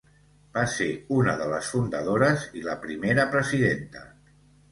Va ser una de les fundadores i la primera presidenta.